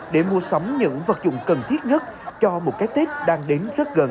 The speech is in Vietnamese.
để mua sắm những vật dụng cần thiết nhất cho một cái tết đang đến rất gần